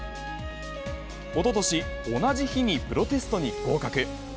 おととし、同じ日にプロテストに合格。